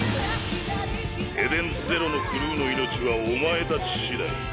エデンズゼロのクルーの命はお前たち次第。